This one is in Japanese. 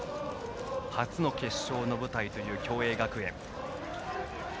初の決勝の舞台という共栄学園。